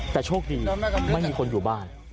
แต่โชคดีไม่มีคนอยู่บ้าน